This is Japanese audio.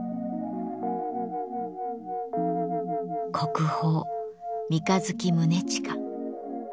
国宝「三日月宗近」。